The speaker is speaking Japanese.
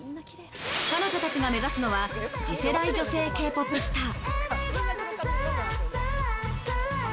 彼女たちが目指すのは次世代女性Ｋ−ＰＯＰスター。